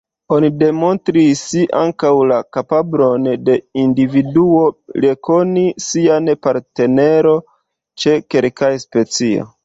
Oni demonstris ankaŭ la kapablon de individuo rekoni sian partneron ĉe kelkaj specioj.